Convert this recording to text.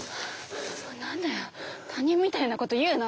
何だよ他人みたいなこと言うな。